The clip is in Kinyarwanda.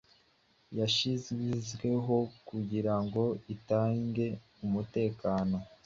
yashizweho kugirango itange umutekano